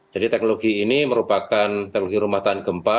jadi teknologi ini merupakan teknologi rumah tahan gempa